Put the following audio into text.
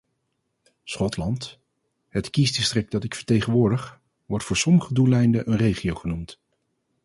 Schotland, het kiesdistrict dat ik vertegenwoordig, wordt voor sommige doeleinden een regio genoemd.